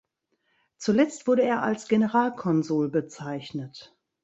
Zuletzt wurde er als Generalkonsul bezeichnet.